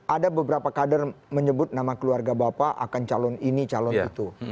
ada beberapa kader menyebut nama keluarga bapak akan calon ini calon itu